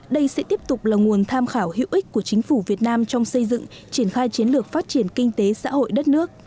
đây sẽ tiếp tục là nguồn tham khảo hữu ích của chính phủ việt nam trong xây dựng triển khai chiến lược phát triển kinh tế xã hội đất nước